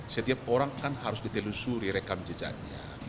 setiap orang kan harus ditelusuri rekam jejaknya